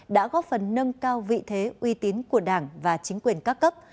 đã góp phần nâng cao vị thế uy tín của đảng và chính quyền các cấp